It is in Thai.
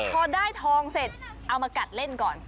พอได้ทองเสร็จเอามากัดเล่นก่อน